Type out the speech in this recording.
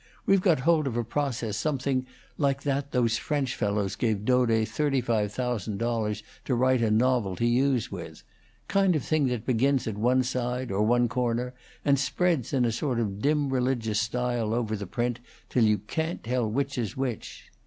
We've got hold of a process something like that those French fellows gave Daudet thirty five thousand dollars to write a novel to use with; kind of thing that begins at one side; or one corner, and spreads in a sort of dim religious style over the print till you can't tell which is which.